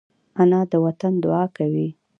انا د وطن دعا کوي